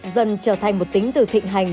dần trở thành một tính từ thịnh hành